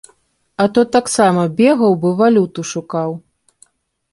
А то таксама бегаў бы валюту шукаў.